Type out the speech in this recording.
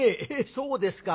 そうですか。